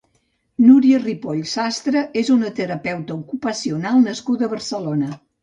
Núria Ripoll Sastre és una terapeuta ocupacional nascuda a Barcelona.